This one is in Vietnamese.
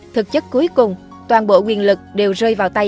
thực chất cuối cùng toàn bộ quyền lực đều rơi vào tay